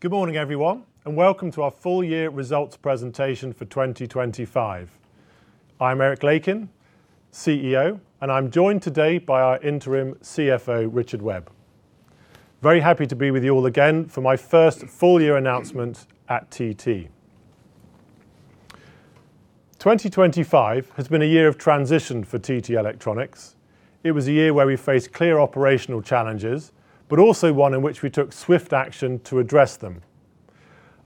Good morning, everyone, and welcome to our full year results presentation for 2025. I'm Eric Lakin, CEO, and I'm joined today by our Interim CFO, Richard Webb. Very happy to be with you all again for my first full year announcement at TT. 2025 has been a year of transition for TT Electronics. It was a year where we faced clear operational challenges, but also one in which we took swift action to address them.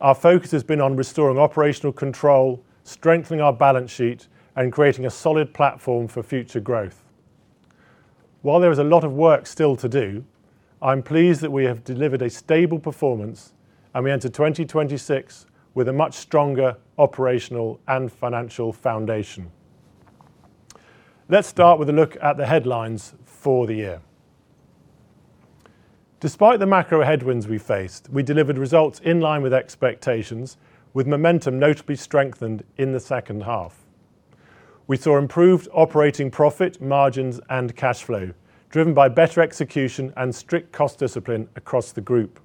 Our focus has been on restoring operational control, strengthening our balance sheet and creating a solid platform for future growth. While there is a lot of work still to do, I'm pleased that we have delivered a stable performance and we enter 2026 with a much stronger operational and financial foundation. Let's start with a look at the headlines for the year. Despite the macro headwinds we faced, we delivered results in line with expectations, with momentum notably strengthened in the second half. We saw improved operating profit margins and cash flow, driven by better execution and strict cost discipline across the group.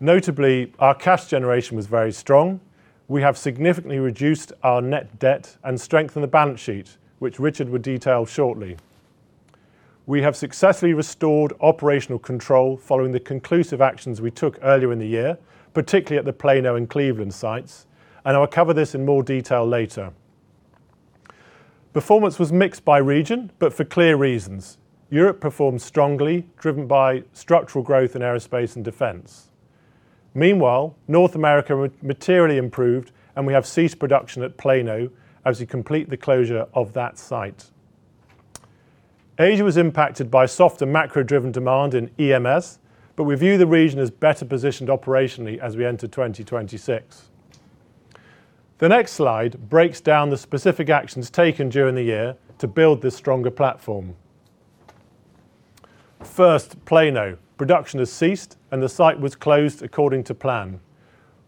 Notably, our cash generation was very strong. We have significantly reduced our net debt and strengthened the balance sheet, which Richard will detail shortly. We have successfully restored operational control following the conclusive actions we took earlier in the year, particularly at the Plano and Cleveland sites, and I will cover this in more detail later. Performance was mixed by region, but for clear reasons. Europe performed strongly, driven by structural growth in aerospace and defense. Meanwhile, North America materially improved and we have ceased production at Plano as we complete the closure of that site. Asia was impacted by softer macro-driven demand in EMS, but we view the region as better positioned operationally as we enter 2026. The next slide breaks down the specific actions taken during the year to build this stronger platform. First, Plano. Production has ceased and the site was closed according to plan.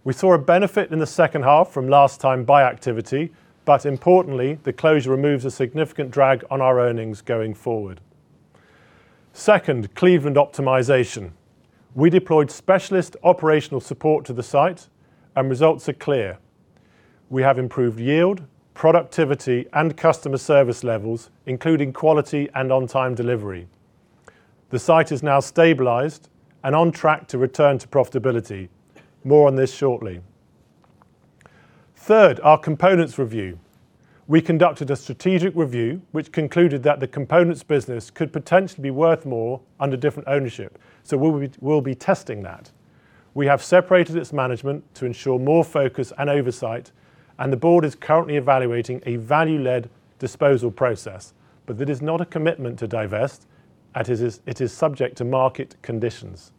We saw a benefit in the second half from last time buy activity, but importantly, the closure removes a significant drag on our earnings going forward. Second, Cleveland optimization. We deployed specialist operational support to the site and results are clear. We have improved yield, productivity and customer service levels, including quality and on-time delivery. The site is now stabilized and on track to return to profitability. More on this shortly. Third, our components review. We conducted a strategic review which concluded that the components business could potentially be worth more under different ownership, so we'll be testing that. We have separated its management to ensure more focus and oversight, and the board is currently evaluating a value-led disposal process. It is not a commitment to divest and it is subject to market conditions.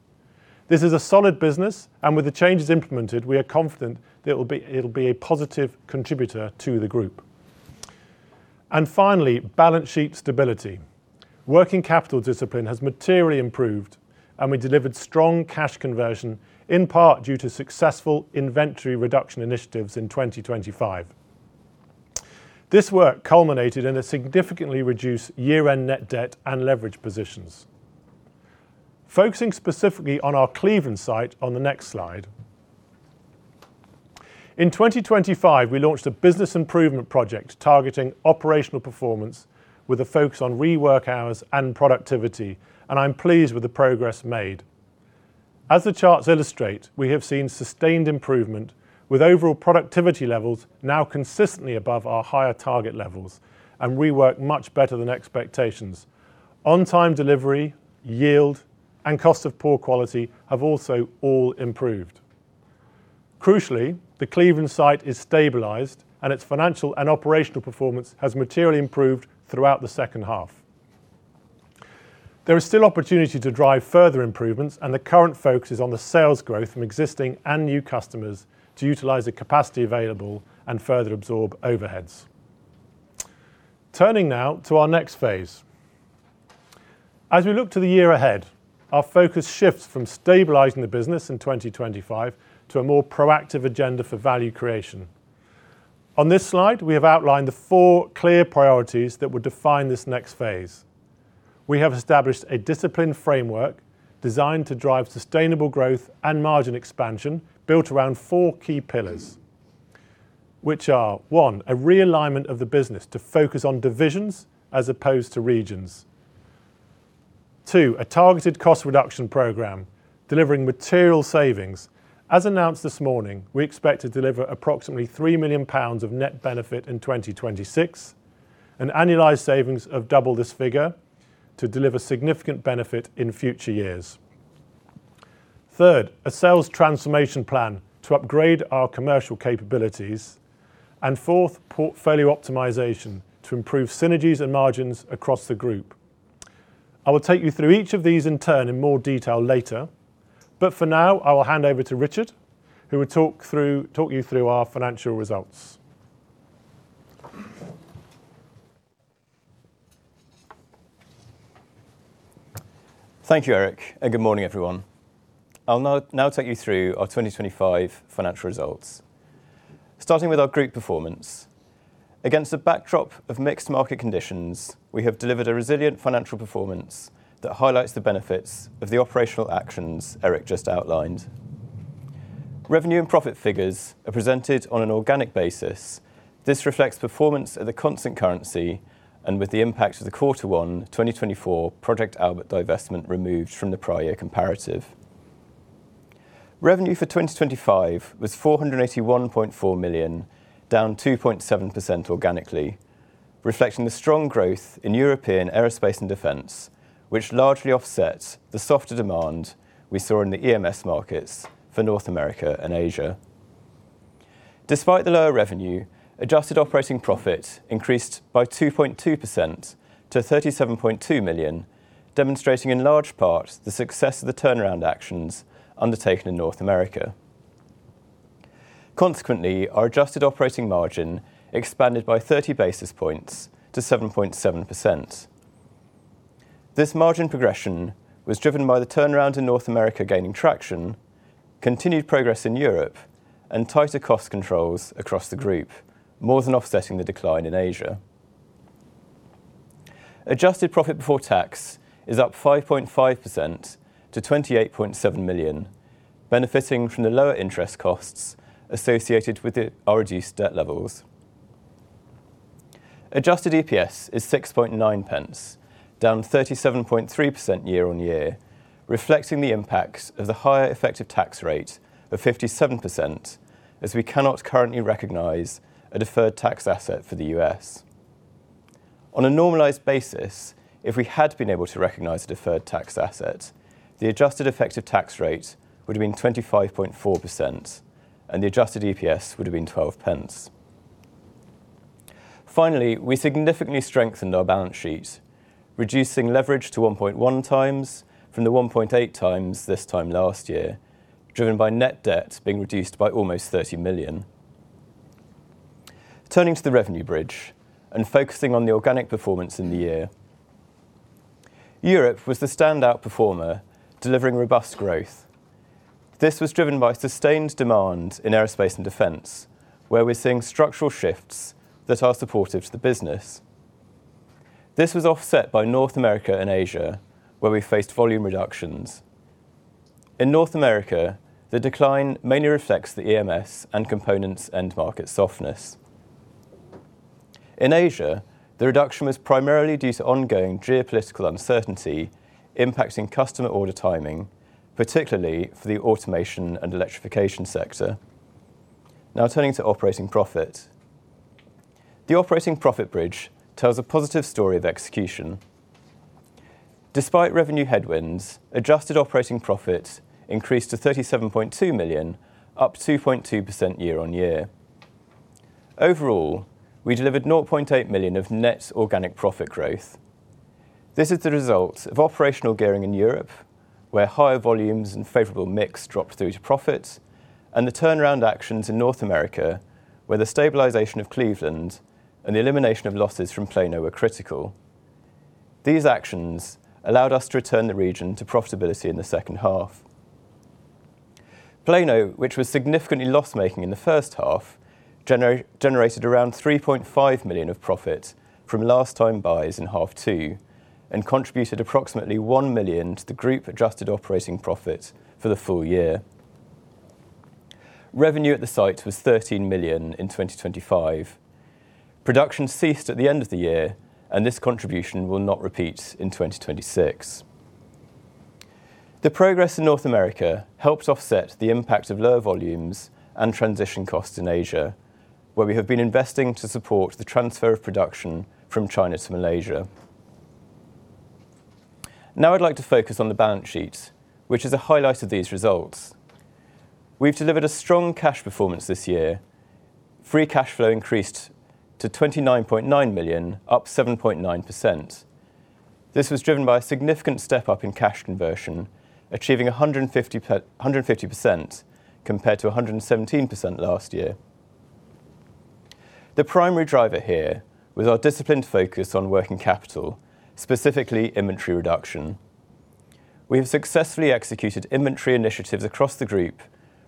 This is a solid business and with the changes implemented, we are confident that it will be a positive contributor to the group. Finally, balance sheet stability. Working capital discipline has materially improved and we delivered strong cash conversion, in part due to successful inventory reduction initiatives in 2025. This work culminated in a significantly reduced year-end net debt and leverage positions. Focusing specifically on our Cleveland site on the next slide. In 2025, we launched a business improvement project targeting operational performance with a focus on rework hours and productivity, and I'm pleased with the progress made. As the charts illustrate, we have seen sustained improvement with overall productivity levels now consistently above our higher target levels and rework much better than expectations. On-time delivery, yield and cost of poor quality have also all improved. Crucially, the Cleveland site is stabilized and its financial and operational performance has materially improved throughout the second half. There is still opportunity to drive further improvements, and the current focus is on the sales growth from existing and new customers to utilize the capacity available and further absorb overheads. Turning now to our next phase. As we look to the year ahead, our focus shifts from stabilizing the business in 2025 to a more proactive agenda for value creation. On this slide, we have outlined the four clear priorities that will define this next phase. We have established a disciplined framework designed to drive sustainable growth and margin expansion built around four key pillars, which are one, a realignment of the business to focus on divisions as opposed to regions. Two, a targeted cost reduction program delivering material savings. As announced this morning, we expect to deliver approximately 3 million pounds of net benefit in 2026, an annualized savings of double this figure to deliver significant benefit in future years. Third, a sales transformation plan to upgrade our commercial capabilities. Fourth, portfolio optimization to improve synergies and margins across the group. I will take you through each of these in turn in more detail later. For now, I will hand over to Richard, who will talk you through our financial results. Thank you, Eric, and good morning, everyone. I'll now take you through our 2025 financial results. Starting with our group performance. Against a backdrop of mixed market conditions, we have delivered a resilient financial performance that highlights the benefits of the operational actions Eric just outlined. Revenue and profit figures are presented on an organic basis. This reflects performance at a constant currency and with the impact of the Q1 2024 Project Albert divestment removed from the prior year comparative. Revenue for 2025 was 481.4 million, down 2.7% organically, reflecting the strong growth in European aerospace and defense, which largely offsets the softer demand we saw in the EMS markets for North America and Asia. Despite the lower revenue, adjusted operating profit increased by 2.2% to 37.2 million, demonstrating in large part the success of the turnaround actions undertaken in North America. Consequently, our adjusted operating margin expanded by 30 basis points to 7.7%. This margin progression was driven by the turnaround in North America gaining traction, continued progress in Europe and tighter cost controls across the group, more than offsetting the decline in Asia. Adjusted profit before tax is up 5.5% to 28.7 million, benefiting from the lower interest costs associated with our reduced debt levels. Adjusted EPS is 6.9 pence, down 37.3% year-on-year, reflecting the impacts of the higher effective tax rate of 57% as we cannot currently recognize a deferred tax asset for the U.S. On a normalized basis, if we had been able to recognize a deferred tax asset, the adjusted effective tax rate would have been 25.4% and the adjusted EPS would have been 12 pence. Finally, we significantly strengthened our balance sheet, reducing leverage to 1.1x from the 1.8x this time last year, driven by net debt being reduced by almost 30 million. Turning to the revenue bridge and focusing on the organic performance in the year. Europe was the standout performer, delivering robust growth. This was driven by sustained demand in aerospace and defense, where we're seeing structural shifts that are supportive to the business. This was offset by North America and Asia, where we faced volume reductions. In North America, the decline mainly reflects the EMS and components end market softness. In Asia, the reduction was primarily due to ongoing geopolitical uncertainty impacting customer order timing, particularly for the automation and electrification sector. Now turning to operating profit. The operating profit bridge tells a positive story of execution. Despite revenue headwinds, adjusted operating profit increased to 37.2 million, up 2.2% year-on-year. Overall, we delivered 0.8 million of net organic profit growth. This is the result of operational gearing in Europe, where higher volumes and favorable mix dropped through to profit and the turnaround actions in North America, where the stabilization of Cleveland and the elimination of losses from Plano were critical. These actions allowed us to return the region to profitability in the second half. Plano, which was significantly loss-making in the first half, generated around 3.5 million of profit from last time buys in half two and contributed approximately 1 million to the group adjusted operating profit for the full year. Revenue at the site was 13 million in 2025. Production ceased at the end of the year, and this contribution will not repeat in 2026. The progress in North America helped offset the impact of lower volumes and transition costs in Asia, where we have been investing to support the transfer of production from China to Malaysia. Now I'd like to focus on the balance sheet, which is a highlight of these results. We've delivered a strong cash performance this year. Free cash flow increased to 29.9 million, up 7.9%. This was driven by a significant step up in cash conversion, achieving 150% compared to 117% last year. The primary driver here was our disciplined focus on working capital, specifically inventory reduction. We have successfully executed inventory initiatives across the group,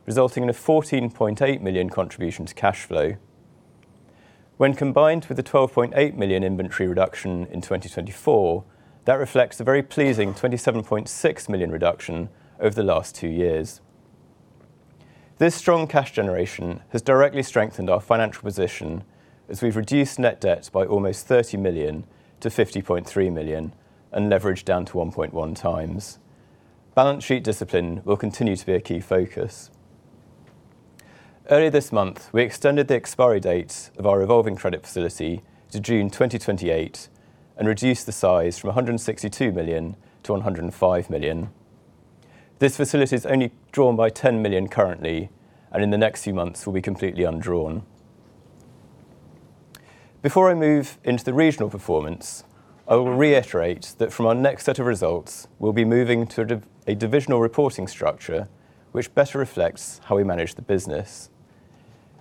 resulting in a 14.8 million contribution to cash flow. When combined with the 12.8 million inventory reduction in 2024, that reflects a very pleasing 27.6 million reduction over the last two years. This strong cash generation has directly strengthened our financial position as we've reduced net debt by almost 30 million to 50.3 million and leverage down to 1.1x. Balance sheet discipline will continue to be a key focus. Earlier this month, we extended the expiry date of our revolving credit facility to June 2028 and reduced the size from 162 million to 105 million. This facility is only drawn by 10 million currently, and in the next few months will be completely undrawn. Before I move into the regional performance, I will reiterate that from our next set of results, we'll be moving to a divisional reporting structure which better reflects how we manage the business.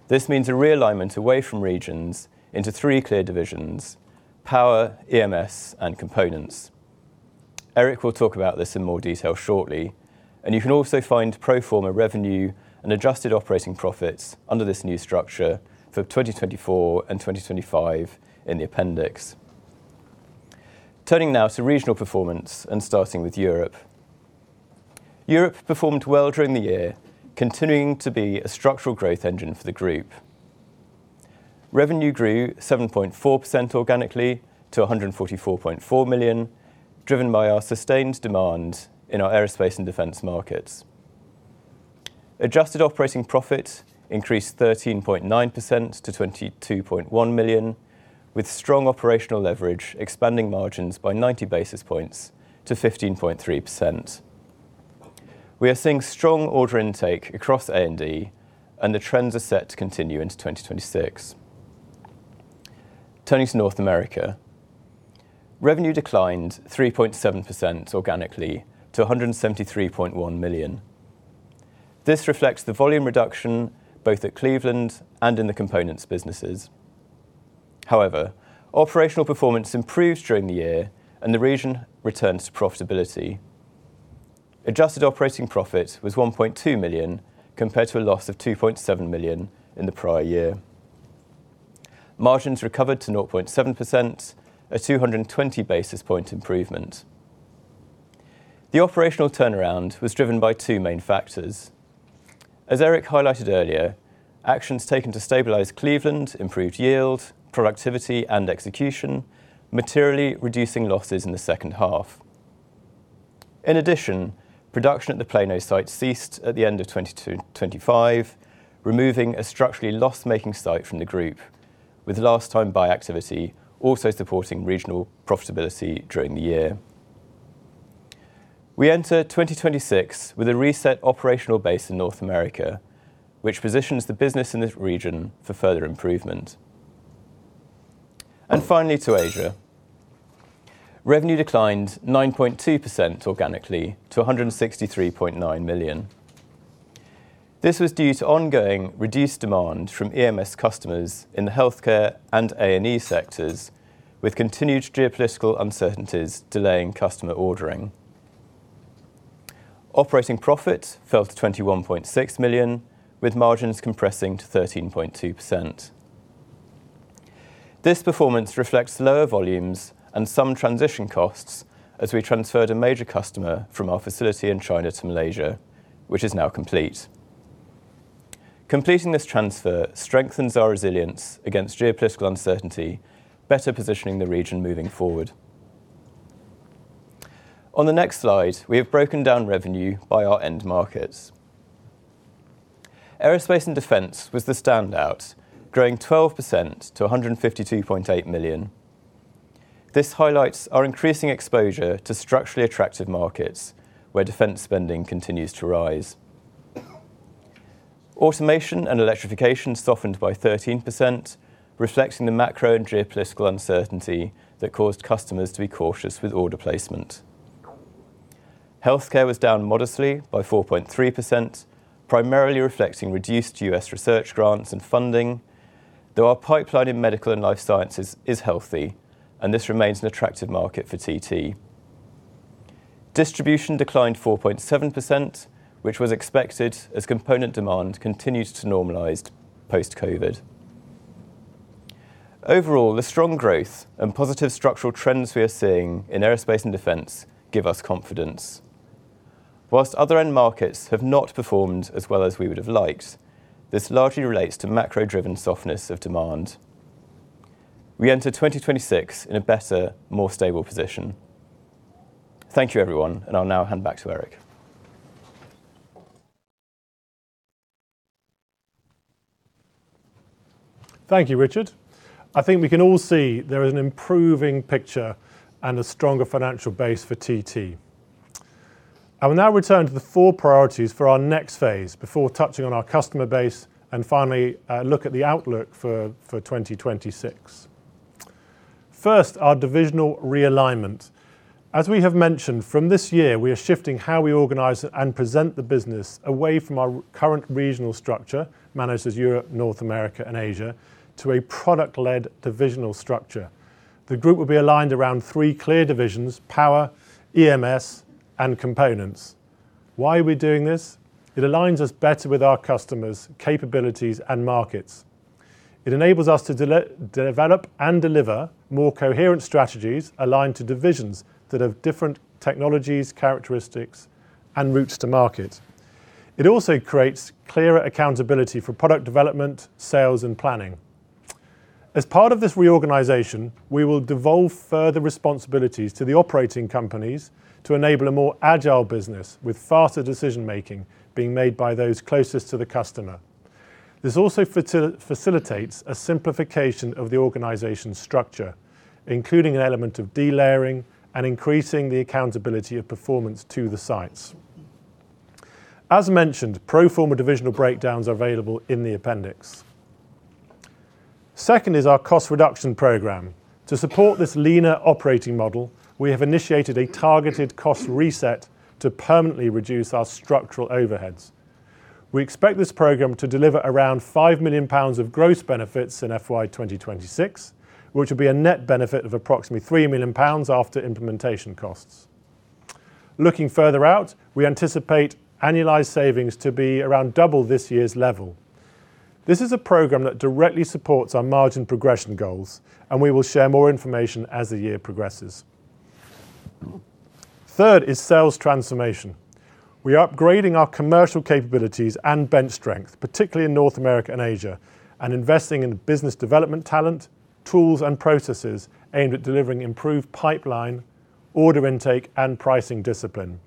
This means a realignment away from regions into three clear divisions, Power, EMS, and Components. Eric will talk about this in more detail shortly, and you can also find pro forma revenue and adjusted operating profits under this new structure for 2024 and 2025 in the appendix. Turning now to regional performance and starting with Europe. Europe performed well during the year, continuing to be a structural growth engine for the group. Revenue grew 7.4% organically to 144.4 million, driven by our sustained demand in our aerospace and defense markets. Adjusted operating profit increased 13.9% to 22.1 million, with strong operational leverage expanding margins by 90 basis points to 15.3%. We are seeing strong order intake across A&D, and the trends are set to continue into 2026. Turning to North America. Revenue declined 3.7% organically to 173.1 million. This reflects the volume reduction both at Cleveland and in the components businesses. However, operational performance improved during the year and the region returned to profitability. Adjusted operating profit was 1.2 million compared to a loss of 2.7 million in the prior year. Margins recovered to 0.7%, a 220 basis point improvement. The operational turnaround was driven by two main factors. As Eric highlighted earlier, actions taken to stabilize Cleveland improved yield, productivity, and execution, materially reducing losses in the second half. In addition, production at the Plano site ceased at the end of 2025, removing a structurally loss-making site from the group, with last-time buy activity also supporting regional profitability during the year. We enter 2026 with a reset operational base in North America, which positions the business in this region for further improvement. Finally to Asia. Revenue declined 9.2% organically to 163.9 million. This was due to ongoing reduced demand from EMS customers in the healthcare and A&D sectors, with continued geopolitical uncertainties delaying customer ordering. Operating profit fell to 21.6 million, with margins compressing to 13.2%. This performance reflects lower volumes and some transition costs as we transferred a major customer from our facility in China to Malaysia, which is now complete. Completing this transfer strengthens our resilience against geopolitical uncertainty, better positioning the region moving forward. On the next slide, we have broken down revenue by our end markets. Aerospace and Defense was the standout, growing 12% to 152.8 million. This highlights our increasing exposure to structurally attractive markets where defense spending continues to rise. Automation and Electrification softened by 13%, reflecting the macro and geopolitical uncertainty that caused customers to be cautious with order placement. Healthcare was down modestly by 4.3%, primarily reflecting reduced U.S. research grants and funding, though our pipeline in medical and life sciences is healthy and this remains an attractive market for TT. Distribution declined 4.7%, which was expected as component demand continued to normalize post-COVID. Overall, the strong growth and positive structural trends we are seeing in aerospace and defense give us confidence. Whilst other end markets have not performed as well as we would have liked, this largely relates to macro-driven softness of demand. We enter 2026 in a better, more stable position. Thank you, everyone, and I'll now hand back to Eric. Thank you, Richard. I think we can all see there is an improving picture and a stronger financial base for TT. I will now return to the four priorities for our next phase before touching on our customer base and finally look at the outlook for 2026. First, our divisional realignment. As we have mentioned, from this year, we are shifting how we organize and present the business away from our current regional structure, managed as Europe, North America, and Asia, to a product-led divisional structure. The group will be aligned around three clear divisions, Power, EMS, and Components. Why are we doing this? It aligns us better with our customers, capabilities, and markets. It enables us to develop and deliver more coherent strategies aligned to divisions that have different technologies, characteristics, and routes to market. It also creates clearer accountability for product development, sales, and planning. As part of this reorganization, we will devolve further responsibilities to the operating companies to enable a more agile business with faster decision-making being made by those closest to the customer. This also facilitates a simplification of the organization structure, including an element of delayering and increasing the accountability of performance to the sites. As mentioned, pro forma divisional breakdowns are available in the appendix. Second is our cost reduction program. To support this leaner operating model, we have initiated a targeted cost reset to permanently reduce our structural overheads. We expect this program to deliver around 5 million pounds of gross benefits in FY 2026, which will be a net benefit of approximately 3 million pounds after implementation costs. Looking further out, we anticipate annualized savings to be around double this year's level. This is a program that directly supports our margin progression goals, and we will share more information as the year progresses. Third is sales transformation. We are upgrading our commercial capabilities and bench strength, particularly in North America and Asia, and investing in business development talent, tools and processes aimed at delivering improved pipeline, order intake and pricing discipline.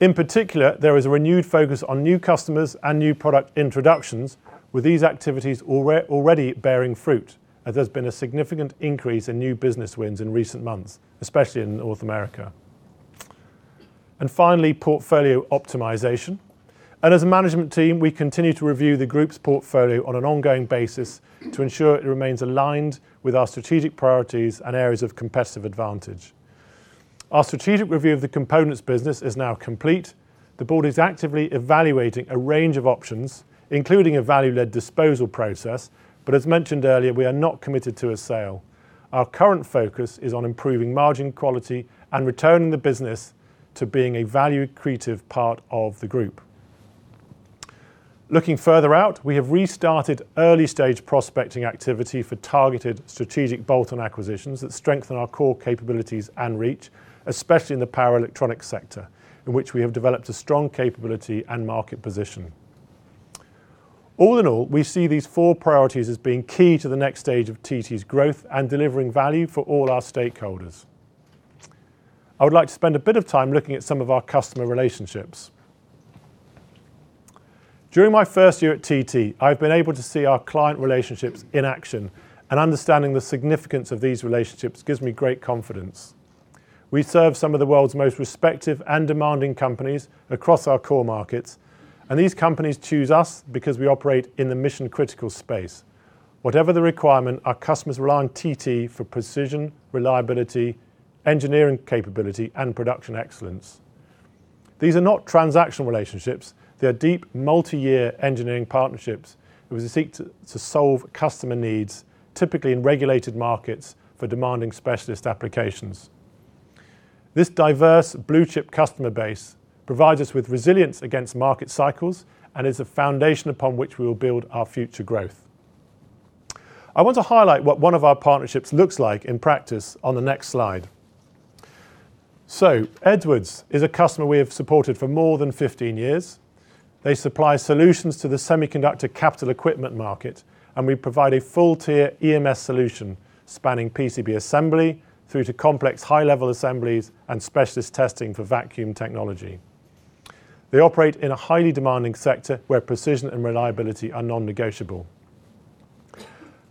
In particular, there is a renewed focus on new customers and new product introductions, with these activities already bearing fruit as there's been a significant increase in new business wins in recent months, especially in North America. Finally, portfolio optimization. As a management team, we continue to review the group's portfolio on an ongoing basis to ensure it remains aligned with our strategic priorities and areas of competitive advantage. Our strategic review of the components business is now complete. The board is actively evaluating a range of options, including a value-led disposal process. As mentioned earlier, we are not committed to a sale. Our current focus is on improving margin quality and returning the business to being a value-accretive part of the group. Looking further out, we have restarted early-stage prospecting activity for targeted strategic bolt-on acquisitions that strengthen our core capabilities and reach, especially in the power electronics sector in which we have developed a strong capability and market position. All in all, we see these four priorities as being key to the next stage of TT's growth and delivering value for all our stakeholders. I would like to spend a bit of time looking at some of our customer relationships. During my first year at TT, I've been able to see our client relationships in action and understanding the significance of these relationships gives me great confidence. We serve some of the world's most respected and demanding companies across our core markets, and these companies choose us because we operate in the mission-critical space. Whatever the requirement, our customers rely on TT for precision, reliability, engineering capability, and production excellence. These are not transactional relationships. They are deep, multi-year engineering partnerships. We seek to solve customer needs, typically in regulated markets for demanding specialist applications. This diverse blue chip customer base provides us with resilience against market cycles and is a foundation upon which we will build our future growth. I want to highlight what one of our partnerships looks like in practice on the next slide. Edwards is a customer we have supported for more than 15 years. They supply solutions to the semiconductor capital equipment market, and we provide a full tier EMS solution spanning PCB assembly through to complex high-level assemblies and specialist testing for vacuum technology. They operate in a highly demanding sector where precision and reliability are non-negotiable.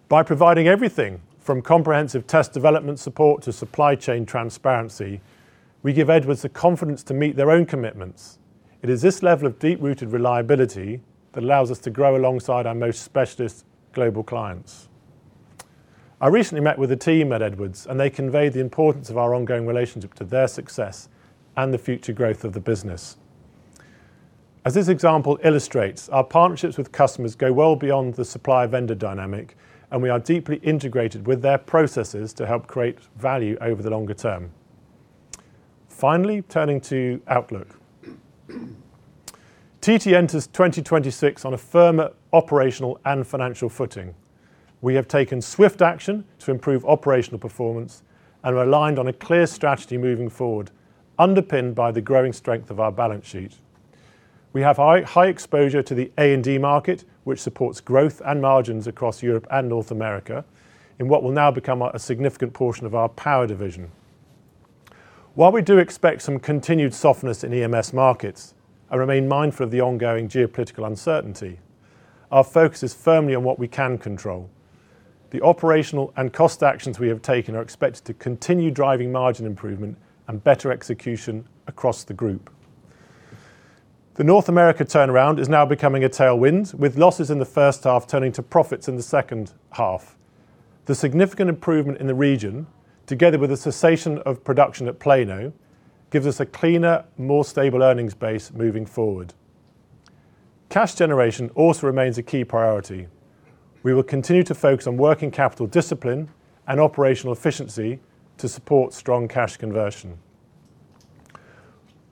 By providing everything from comprehensive test development support to supply chain transparency, we give Edwards the confidence to meet their own commitments. It is this level of deep-rooted reliability that allows us to grow alongside our most specialist global clients. I recently met with a team at Edwards, and they conveyed the importance of our ongoing relationship to their success and the future growth of the business. As this example illustrates, our partnerships with customers go well beyond the supplier-vendor dynamic, and we are deeply integrated with their processes to help create value over the longer term. Finally, turning to outlook. TT enters 2026 on a firmer operational and financial footing. We have taken swift action to improve operational performance and are aligned on a clear strategy moving forward, underpinned by the growing strength of our balance sheet. We have high exposure to the A&D market, which supports growth and margins across Europe and North America in what will now become a significant portion of our power division. While we do expect some continued softness in EMS markets, I remain mindful of the ongoing geopolitical uncertainty. Our focus is firmly on what we can control. The operational and cost actions we have taken are expected to continue driving margin improvement and better execution across the group. The North America turnaround is now becoming a tailwind, with losses in the first half turning to profits in the second half. The significant improvement in the region, together with the cessation of production at Plano, gives us a cleaner, more stable earnings base moving forward. Cash generation also remains a key priority. We will continue to focus on working capital discipline and operational efficiency to support strong cash conversion.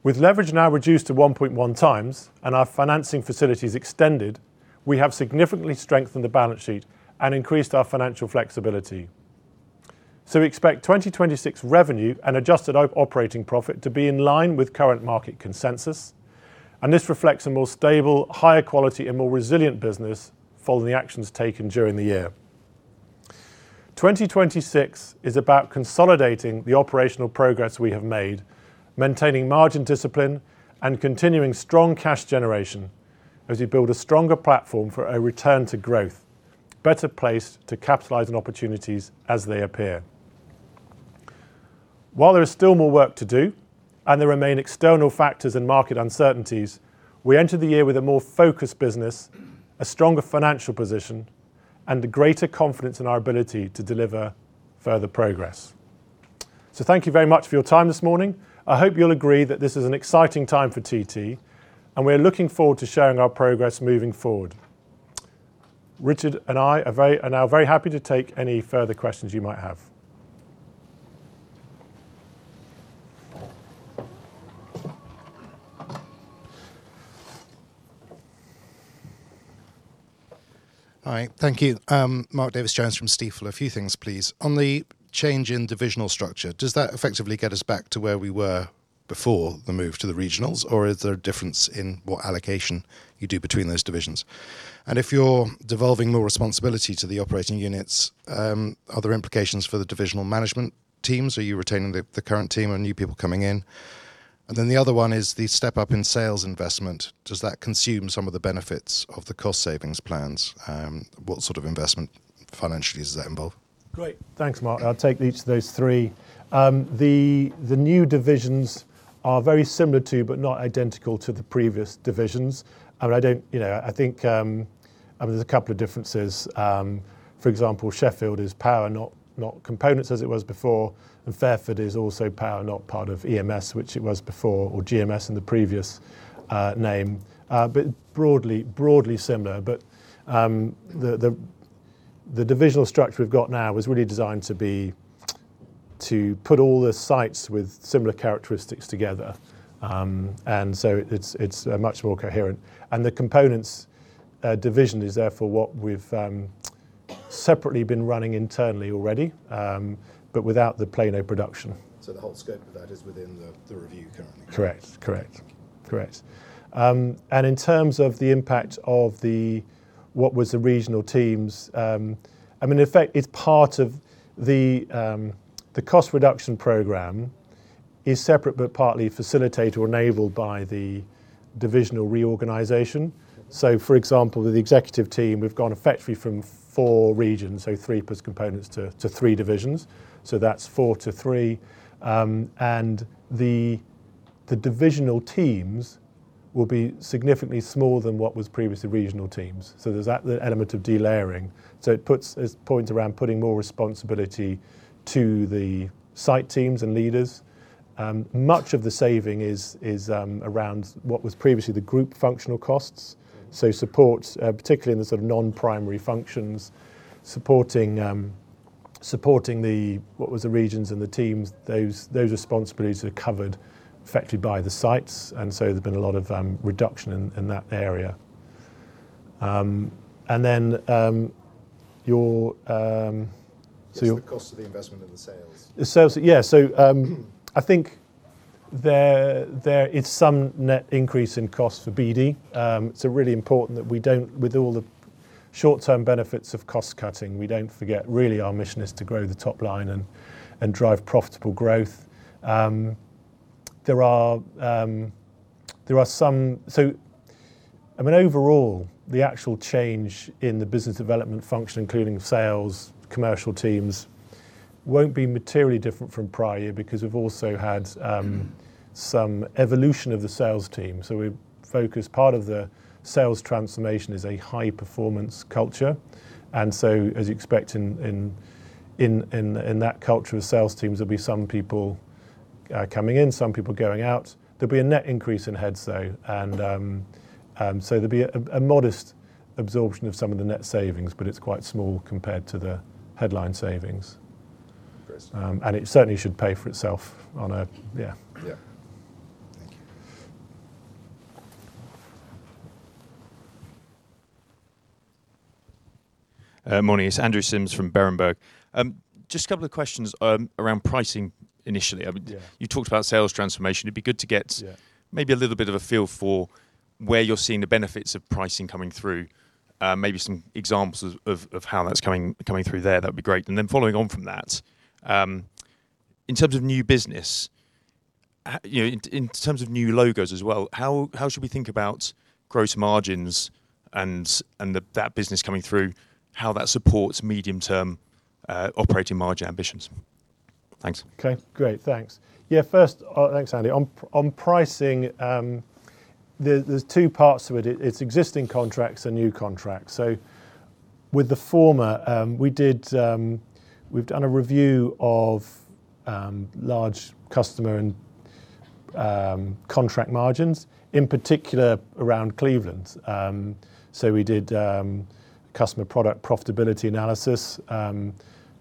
With leverage now reduced to 1.1x and our financing facilities extended, we have significantly strengthened the balance sheet and increased our financial flexibility. We expect 2026 revenue and adjusted operating profit to be in line with current market consensus, and this reflects a more stable, higher quality and more resilient business following the actions taken during the year. 2026 is about consolidating the operational progress we have made, maintaining margin discipline and continuing strong cash generation as we build a stronger platform for a return to growth, better placed to capitalize on opportunities as they appear. While there is still more work to do and there remain external factors and market uncertainties, we enter the year with a more focused business, a stronger financial position, and a greater confidence in our ability to deliver further progress. Thank you very much for your time this morning. I hope you'll agree that this is an exciting time for TT, and we're looking forward to sharing our progress moving forward. Richard and I are now very happy to take any further questions you might have. All right. Thank you. Mark Davies Jones from Stifel. A few things, please. On the change in divisional structure, does that effectively get us back to where we were before the move to the regionals, or is there a difference in what allocation you do between those divisions? If you're devolving more responsibility to the operating units, are there implications for the divisional management teams? Are you retaining the current team or are new people coming in? The other one is the step up in sales investment. Does that consume some of the benefits of the cost savings plans? What sort of investment financially does that involve? Great. Thanks, Mark. I'll take each of those three. The new divisions are very similar to, but not identical to the previous divisions. I don't, you know, I think, I mean, there's a couple of differences. For example, Sheffield is power, not components as it was before, and Fairford is also power, not part of EMS, which it was before, or GMS in the previous name. Broadly similar. The divisional structure we've got now was really designed to be, to put all the sites with similar characteristics together. It's much more coherent. The components division is therefore what we've separately been running internally already, but without the Plano production. The whole scope of that is within the review currently? Correct. Correct. Thank you. Correct. In terms of the impact of the regional teams, I mean, in effect, it is part of the cost reduction program. It is separate but partly facilitated or enabled by the divisional reorganization. For example, with the executive team, we've gone effectively from four regions, so three plus components, to three divisions. That's four to three. The divisional teams will be significantly smaller than what was previously regional teams. There's that, the element of delayering. It points around putting more responsibility to the site teams and leaders. Much of the saving is around what was previously the group functional costs. Support, particularly in the sort of non-primary functions, supporting the regions and the teams, those responsibilities are covered effectively by the sites. There's been a lot of reduction in that area. Your so you- Just the cost of the investment in the sales. The sales, yeah. I think there is some net increase in cost for BD. Really important that, with all the short-term benefits of cost cutting, we don't forget really our mission is to grow the top line and drive profitable growth. I mean, overall, the actual change in the business development function, including sales, commercial teams, won't be materially different from prior year because we've also had some evolution of the sales team. We focus part of the sales transformation as a high performance culture, and as you expect in that culture of sales teams, there'll be some people coming in, some people going out. There'll be a net increase in heads, though. there'll be a modest absorption of some of the net savings, but it's quite small compared to the headline savings. Great. It certainly should pay for itself on a. Yeah. Yeah. Thank you. Morning. It's Andrew Simms from Berenberg. Just a couple of questions around pricing initially. Yeah. I mean, you talked about sales transformation. It'd be good to get. Yeah. Maybe a little bit of a feel for where you're seeing the benefits of pricing coming through. Maybe some examples of how that's coming through there. That'd be great. Following on from that, in terms of new business, you know, in terms of new logos as well, how should we think about gross margins and that business coming through, how that supports medium-term operating margin ambitions? Thanks. Okay, great. Thanks. Yeah, first, thanks, Andy. On pricing, there's two parts to it. It's existing contracts and new contracts. With the former, we've done a review of large customer and contract margins, in particular around Cleveland. We did customer product profitability analysis,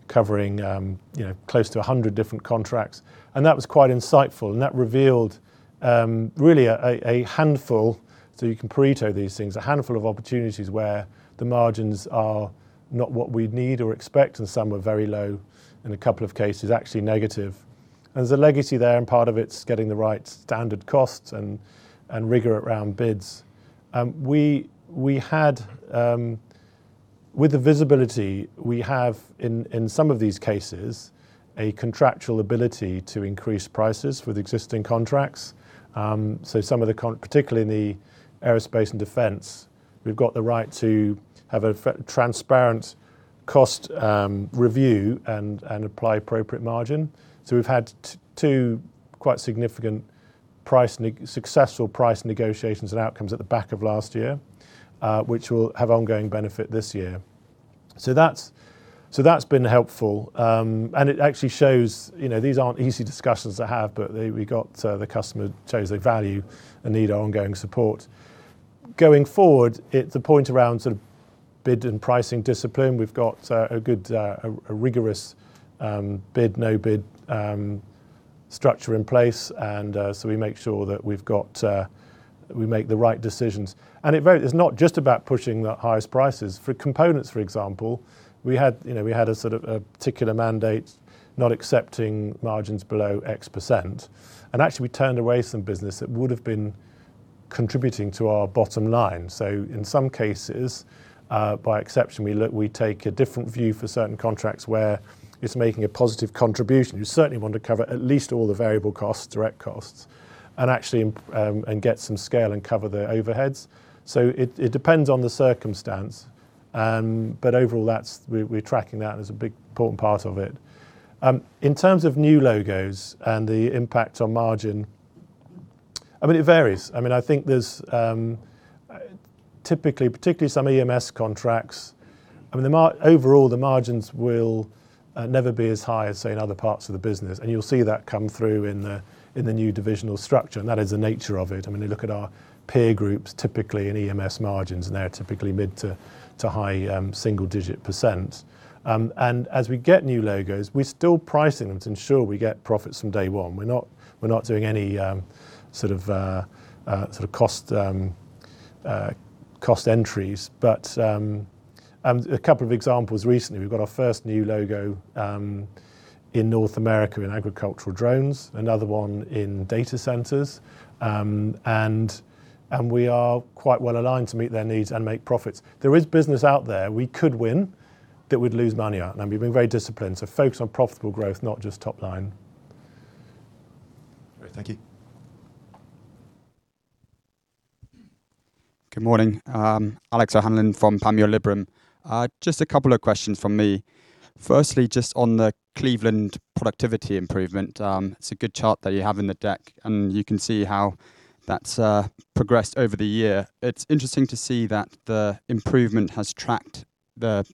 covering, you know, close to 100 different contracts, and that was quite insightful. That revealed really a handful, so you can Pareto these things, a handful of opportunities where the margins are not what we'd need or expect, and some are very low, in a couple of cases, actually negative. There's a legacy there, and part of it's getting the right standard costs and rigor around bids. We had, with the visibility we have in some of these cases, a contractual ability to increase prices with existing contracts. Some of the, particularly in the Aerospace and Defense, we've got the right to have a transparent cost review and apply appropriate margin. We've had two quite significant successful price negotiations and outcomes at the back of last year, which will have ongoing benefit this year. That's been helpful. It actually shows, you know, these aren't easy discussions to have, but the customer shows they value and need ongoing support. Going forward, it's a point around sort of bid and pricing discipline. We've got a good rigorous bid-no-bid structure in place, so we make sure we make the right decisions. It's not just about pushing the highest prices. For components, for example, we had you know a sort of particular mandate, not accepting margins below X%, and actually we turned away some business that would've been contributing to our bottom line. In some cases, by exception, we take a different view for certain contracts where it's making a positive contribution. You certainly want to cover at least all the variable costs, direct costs, and actually and get some scale and cover the overheads. It depends on the circumstance. Overall we're tracking that as a big important part of it. In terms of new logos and the impact on margin, I mean, it varies. I mean, I think there's typically, particularly some EMS contracts, I mean, overall, the margins will never be as high as say in other parts of the business. You'll see that come through in the new divisional structure, and that is the nature of it. I mean, you look at our peer groups typically in EMS margins, and they're typically mid- to high single-digit percent. As we get new logos, we're still pricing them to ensure we get profits from day one. We're not doing any sort of cost entries. A couple of examples. Recently, we've got our first new logo in North America in agricultural drones, another one in data centers. We are quite well aligned to meet their needs and make profits. There is business out there we could win that we'd lose money on, and we've been very disciplined. Focus on profitable growth, not just top line. Great. Thank you. Good morning. Alex O'Hanlon from Panmure Liberum. Just a couple of questions from me. Firstly, just on the Cleveland productivity improvement, it's a good chart that you have in the deck, and you can see how that's progressed over the year. It's interesting to see that the improvement has tracked the,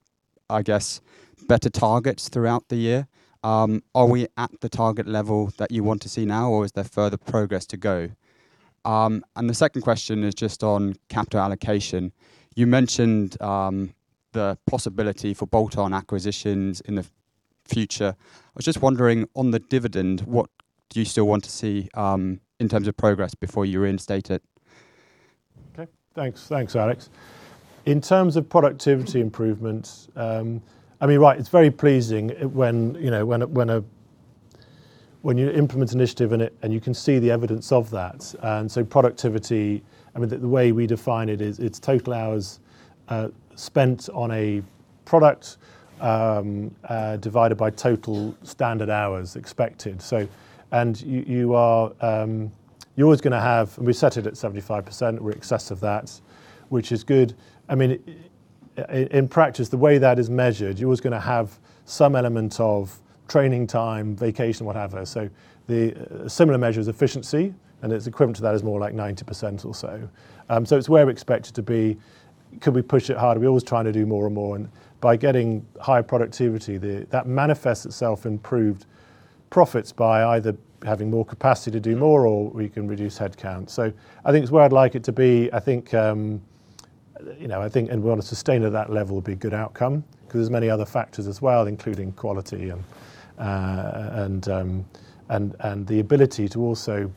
I guess, better targets throughout the year. Are we at the target level that you want to see now, or is there further progress to go? The second question is just on capital allocation. You mentioned the possibility for bolt-on acquisitions in the future. I was just wondering on the dividend, what do you still want to see in terms of progress before you reinstate it? Okay, thanks. Thanks, Alex O'Hanlon. In terms of productivity improvements, I mean, right. It's very pleasing when, you know, when you implement initiative and you can see the evidence of that. Productivity, I mean, the way we define it is it's total hours spent on a product divided by total standard hours expected. We set it at 75%. We're in excess of that, which is good. I mean, in practice, the way that is measured, you're always gonna have some element of training time, vacation, what have you. The similar measure is efficiency, and its equivalent to that is more like 90% or so. It's where we're expected to be. Could we push it harder? We're always trying to do more and more, and by getting higher productivity, that manifests itself in improved profits by either having more capacity to do more or we can reduce headcount. I think it's where I'd like it to be. I think, you know, and we wanna sustain at that level would be a good outcome 'cause there's many other factors as well, including quality and the ability to also.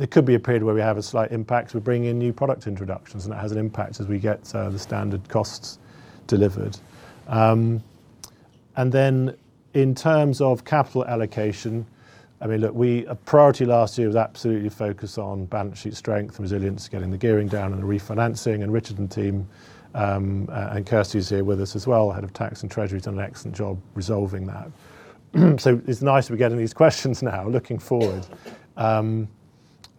There could be a period where we have a slight impact. We bring in new product introductions, and that has an impact as we get the standard costs delivered. In terms of capital allocation, I mean, look, we. A priority last year was absolutely focus on balance sheet strength, resilience, getting the gearing down and the refinancing. Richard and team, and Kirsty's here with us as well, head of tax and treasury, has done an excellent job resolving that. It's nice we're getting these questions now looking forward.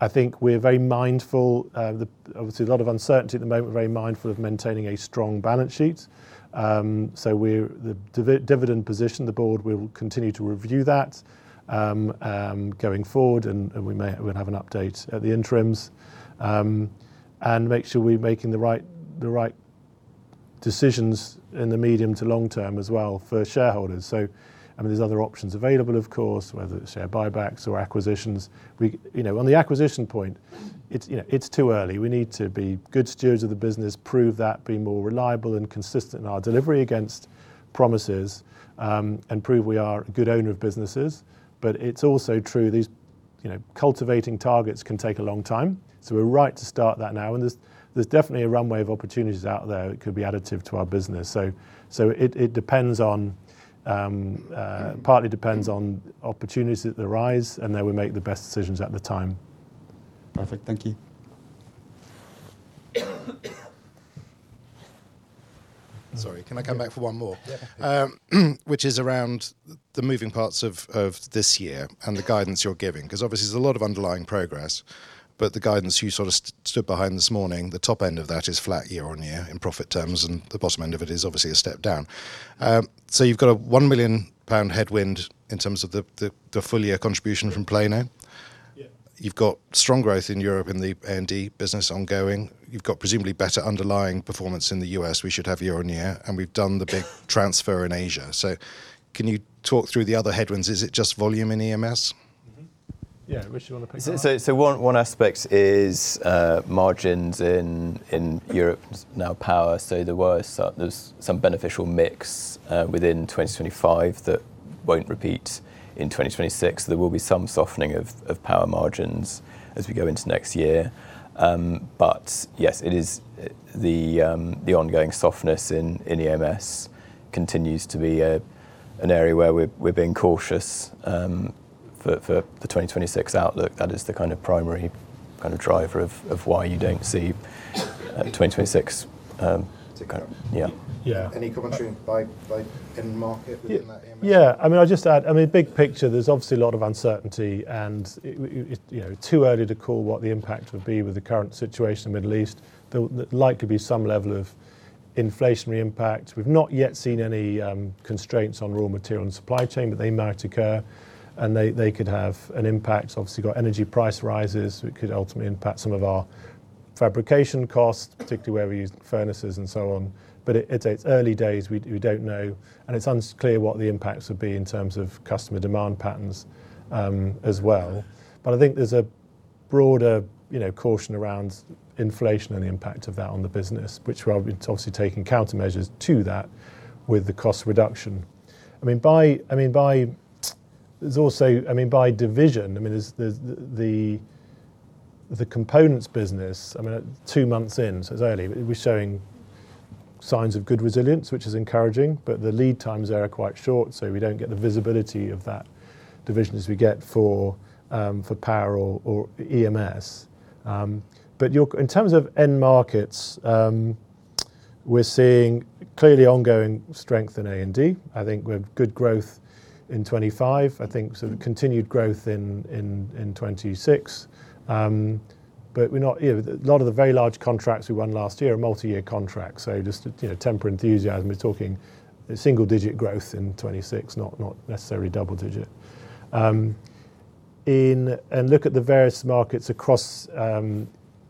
I think we're very mindful of the, obviously, a lot of uncertainty at the moment. Very mindful of maintaining a strong balance sheet. The dividend position, the board will continue to review that going forward, and we'll have an update at the interims, and make sure we're making the right decisions in the medium to long term as well for shareholders. I mean, there's other options available, of course, whether it's share buybacks or acquisitions. You know, on the acquisition point, it's, you know, it's too early. We need to be good stewards of the business, prove that, be more reliable and consistent in our delivery against promises, and prove we are a good owner of businesses. It's also true these, you know, cultivating targets can take a long time, so we're right to start that now. There's definitely a runway of opportunities out there that could be additive to our business. It partly depends on opportunities that arise, and then we make the best decisions at the time. Perfect. Thank you. Sorry, can I come back for one more? Yeah. Which is around the moving parts of this year and the guidance you're giving, 'cause obviously there's a lot of underlying progress, but the guidance you sort of stood behind this morning, the top end of that is flat year-over-year in profit terms, and the bottom end of it is obviously a step down. You've got a 1 million pound headwind in terms of the full year contribution from Plano? Yeah. You've got strong growth in Europe in the A&D business ongoing. You've got presumably better underlying performance in the U.S. we should have year-on-year, and we've done the big transfer in Asia. Can you talk through the other headwinds? Is it just volume in EMS? Mm-hmm. Yeah. Rich, do you wanna pick that up? One aspect is margins in Europe now power. There is some beneficial mix within 2025 that won't repeat in 2026. There will be some softening of power margins as we go into next year. But yes, it is the ongoing softness in EMS continues to be an area where we're being cautious for the 2026 outlook. That is the kind of primary kind of driver of why you don't see 2026. It's okay. Yeah. Yeah. Any commentary by end market within that EMS? Yeah. I mean, I'd just add, I mean, big picture, there's obviously a lot of uncertainty, and it, you know, too early to call what the impact would be with the current situation in the Middle East. There likely be some level of inflationary impact. We've not yet seen any constraints on raw material and supply chain, but they might occur, and they could have an impact. Obviously got energy price rises, which could ultimately impact some of our fabrication costs, particularly where we use furnaces and so on. It's early days. We don't know, and it's unclear what the impacts would be in terms of customer demand patterns, as well. I think there's a broader, you know, caution around inflation and the impact of that on the business, which we're obviously taking countermeasures to that with the cost reduction. I mean, by division, I mean, there's the components business, I mean, at two months in, so it's early. We're showing signs of good resilience, which is encouraging, but the lead times there are quite short, so we don't get the visibility of that division as we get for power or EMS. In terms of end markets, we're seeing clearly ongoing strength in A&D. I think we have good growth in 2025. I think sort of continued growth in 2026. But we're not, you know. A lot of the very large contracts we won last year are multi-year contracts. Just to, you know, temper enthusiasm, we're talking single digit growth in 2026, not necessarily double digit. Look at the various markets across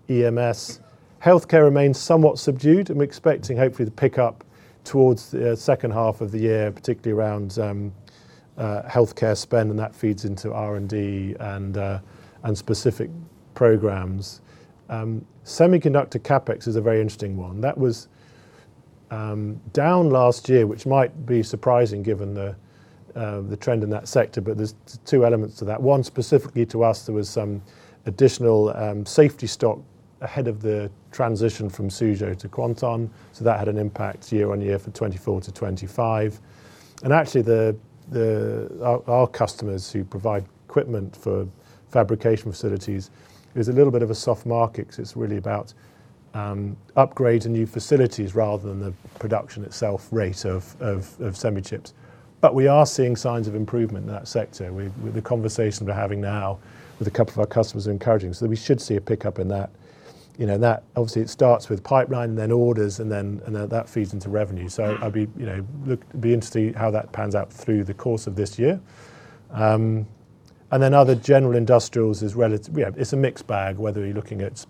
EMS. Healthcare remains somewhat subdued, and we're expecting hopefully to pick up towards the second half of the year, particularly around healthcare spend, and that feeds into R&D and specific programs. Semiconductor CapEx is a very interesting one. That was down last year, which might be surprising given the trend in that sector, but there's two elements to that. One, specifically to us, there was some additional safety stock ahead of the transition from Suzhou to Kuantan, so that had an impact year-on-year for 2024-2025. Actually, our customers who provide equipment for fabrication facilities, there's a little bit of a soft market 'cause it's really about upgrade to new facilities rather than the production itself rate of semi chips. We are seeing signs of improvement in that sector. The conversations we're having now with a couple of our customers are encouraging. We should see a pickup in that. You know, and that, obviously, it starts with pipeline, and then orders, and then that feeds into revenue. I'll be, you know, interested in how that pans out through the course of this year. Other general industrials is relative. Yeah. It's a mixed bag, whether you're looking at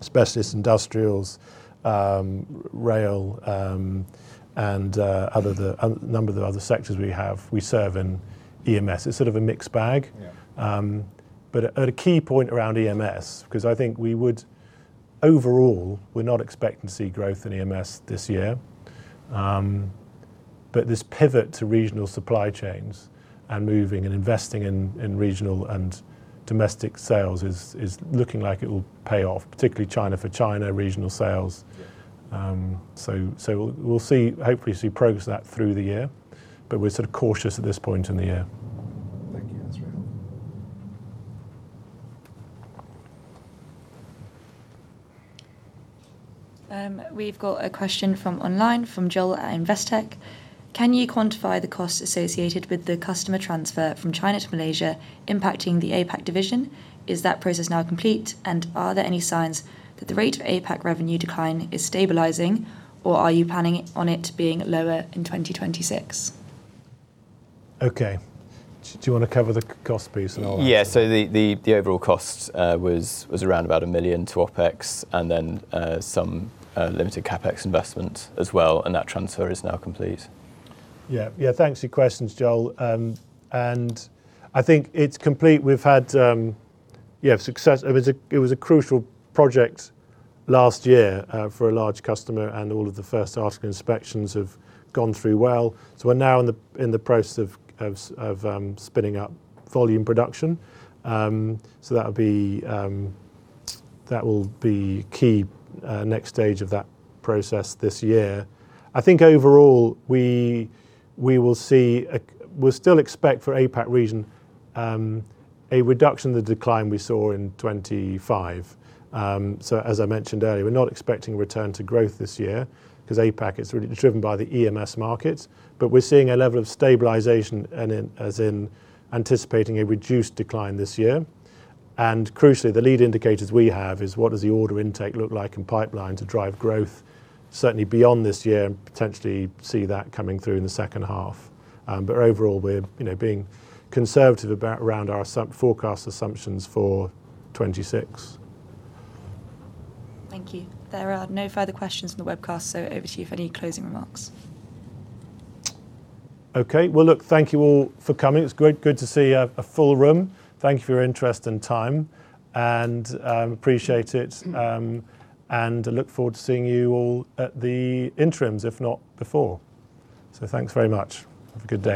specialist industrials, rail, and the other sectors we serve in EMS. It's sort of a mixed bag. Yeah. At a key point around EMS, 'cause I think overall, we're not expecting to see growth in EMS this year. This pivot to regional supply chains and moving and investing in regional and domestic sales is looking like it will pay off, particularly China for China regional sales. Yeah. We'll see. Hopefully see progress of that through the year. We're sort of cautious at this point in the year. Thank you. That's really helpful. We've got a question from online from Joel at Investec. Can you quantify the costs associated with the customer transfer from China to Malaysia impacting the APAC division? Is that process now complete? Are there any signs that the rate of APAC revenue decline is stabilizing, or are you planning on it being lower in 2026? Okay. Do you wanna cover the cost piece and I'll The overall cost was around about 1 million to OpEx, and then some limited CapEx investment as well, and that transfer is now complete. Thanks for your questions, Joel. I think it's complete. We've had success. It was a crucial project last year for a large customer, and all of the first article inspections have gone through well. We're now in the process of spinning up volume production. That will be key next stage of that process this year. I think overall, we will see a reduction in the decline we saw in 2025. As I mentioned earlier, we're not expecting return to growth this year 'cause APAC is really driven by the EMS markets. We're seeing a level of stabilization and anticipating a reduced decline this year. Crucially, the lead indicators we have is what does the order intake look like in pipeline to drive growth certainly beyond this year and potentially see that coming through in the second half. Overall, we're, you know, being conservative about around our forecast assumptions for 2026. Thank you. There are no further questions from the webcast, so over to you for any closing remarks. Okay. Well, look, thank you all for coming. It's great, good to see a full room. Thank you for your interest and time, and appreciate it. Look forward to seeing you all at the interims, if not before. Thanks very much. Have a good day.